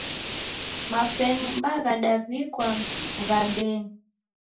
Mapemba ghadaw'ikwa mghambenyi